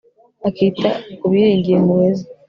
akita ku biringira impuhwe ze